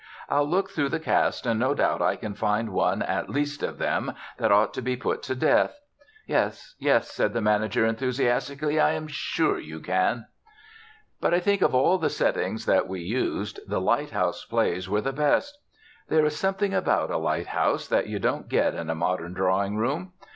I'll look through the cast, and no doubt I can find one at least of them that ought to be put to death." "Yes, yes," said the manager enthusiastically, "I am sure you can." But I think of all the settings that we used, the lighthouse plays were the best. There is something about a lighthouse that you don't get in a modern drawing room.